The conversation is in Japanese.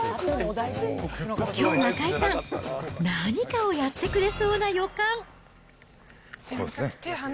きょうの赤井さん、何かをやってくれそうな予感。